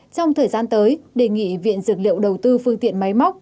trong thời gian tới đề nghị viện dược liệu đầu tư phương tiện máy móc